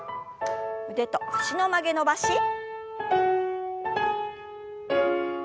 腕と脚の曲げ伸ばし。